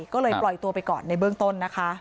ก็เลยปล่อยตัวไปก่อนในเบื้องต้นนะคะ